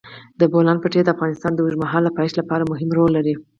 د بولان پټي د افغانستان د اوږدمهاله پایښت لپاره مهم رول لري.